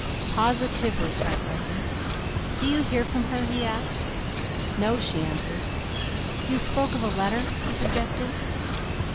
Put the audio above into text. "Positively!" cried Leslie. "Do you hear from her?" he asked. "No," she answered. "You spoke of a letter " he suggested.